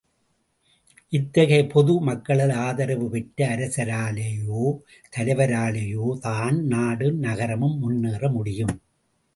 இத்தகைய பொது மக்களது ஆதரவு பெற்ற அரசராலேயோ, தலைவராலேயோதான் நாடும் நகரமும் முன்னேற முடியும்.